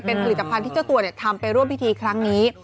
เป็นผลิตภัณฑ์ที่เจ้าตัวทำไปร่วมพิธีครั้งนี้